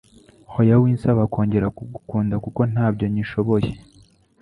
Hoya winsaba kongera kugukunda kuko ntabyo nkishoboye